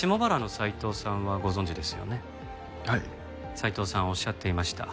斉藤さんおっしゃっていました。